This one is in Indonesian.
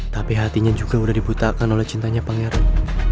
tapi hatinya juga sudah dibutakan oleh cintanya pangeran